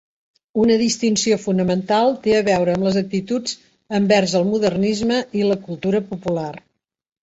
Una distinció fonamental té a veure amb les actituds envers el modernisme i la cultura popular.